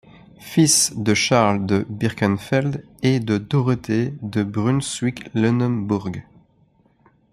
Fils de Charles de Birkenfeld et de Dorothée de Brunswick-Lunebourg.